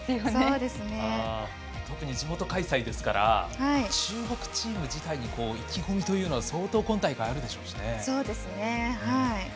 特に地元開催ですから中国チーム自体に意気込みというのは相当、今大会あるでしょうしね。